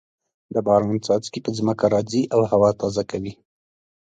د باران څاڅکي په ځمکه راځې او هوا تازه کوي.